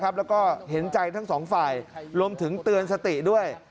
แล้วก็เห็นใจทั้งสองฝ่ายรวมถึงเตือนสติด้วย